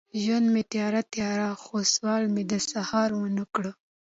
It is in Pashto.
ژوند مې تیاره، تیاره، خو سوال مې د سهار ونه کړ